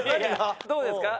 どうですか？